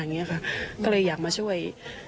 อย่างนี้ค่ะก็เลยอยากมาช่วย